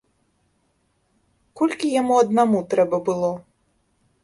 Колькі яму аднаму трэба было?